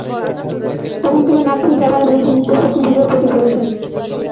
তখন থেকে নাৎসি জার্মানির বিরুদ্ধে মিত্র শক্তির বিজয়ের প্রতীক হয়ে উঠেন।